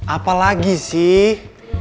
apa lagi sih